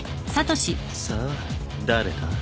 さあ誰だ？